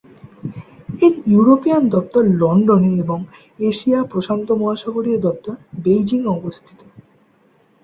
এর ইউরোপিয়ান দপ্তর লন্ডনে এবং এশিয়া প্রশান্ত-মহাসাগরীয় দপ্তর বেইজিং-এ অবস্থিত।